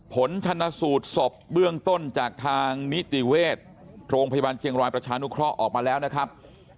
ผลชนสูตรศพเบื้องต้นจากทางนิติเวชโรงพยาบาลเชียงรายประชานุเคราะห์ออกมาแล้วนะครับ